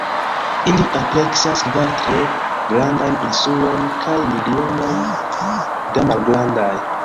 Ili ampleksas kvar tre grandajn insulojn, kaj milojn da malgrandaj.